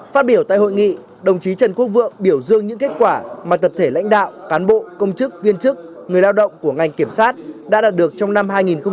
phát biểu tại hội nghị đồng chí trần quốc vượng biểu dương những kết quả mà tập thể lãnh đạo cán bộ công chức viên chức người lao động của ngành kiểm sát đã đạt được trong năm hai nghìn một mươi chín